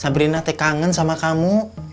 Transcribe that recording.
sabrina teh kangen sama kamu